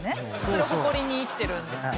それを誇りに生きてるんですけど。